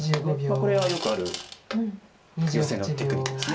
これはよくあるヨセのテクニックです。